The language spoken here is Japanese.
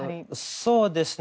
そうですね。